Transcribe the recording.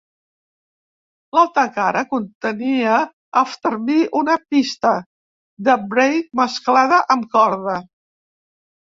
L'altra cara contenia "After Me", una pista de break mesclada amb corda.